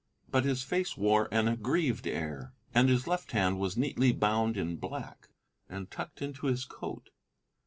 But his face wore an aggrieved air, and his left hand was neatly bound in black and tucked into his coat.